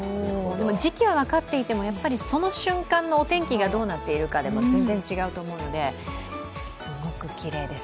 でも、時期は分かっていても、その瞬間のお天気がどうなっているかで全然違うと思うのですごくきれいです。